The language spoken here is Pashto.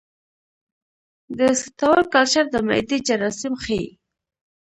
د سټول کلچر د معدې جراثیم ښيي.